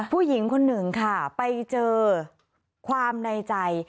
ผู้หญิงคนหนึ่งค่ะไปเจอความในใจ